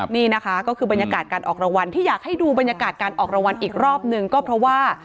นี่นะคะก็คือบรรยากาศการออกรางวัลที่อยากให้ดูบรรยากาศการออกรางวัลอีกรอบหนึ่งก็เพราะว่า